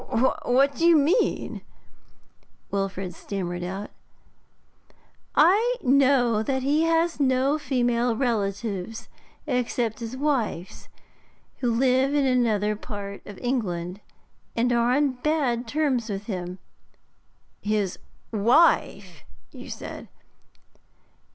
'What do you mean?' Wilfrid stammered out. 'I know that he has no female relatives except his wife's, who live in another part of England, and are on bad terms with him.' 'His wife you said?'